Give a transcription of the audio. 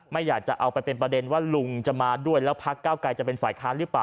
ไม่อยากจะเอาไปเป็นประเด็นว่าลุงจะมาด้วยแล้วพักเก้าไกรจะเป็นฝ่ายค้านหรือเปล่า